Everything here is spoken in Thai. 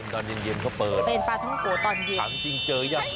ไม่ให้ดูอุ๊ยไปดูเอง